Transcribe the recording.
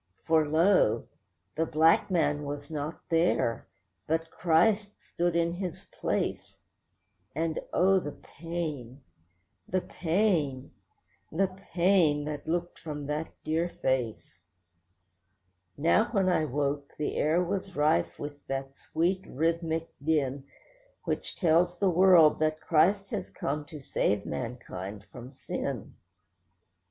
For lo! the black man was not there, but Christ stood in his place; And oh! the pain, the pain, the pain that looked from that dear face. Now when I woke, the air was rife with that sweet, rhythmic din Which tells the world that Christ has come to save mankind from sin.